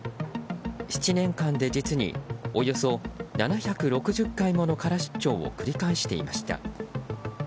７年間で実におよそ７６０回ものカラ出張を繰り返していました。